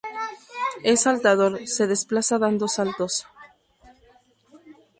Es saltador, se desplaza dando saltos.